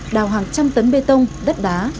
đào hàng trăm tấn bê tông đất đá